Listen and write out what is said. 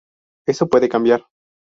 Eso puede cambiar.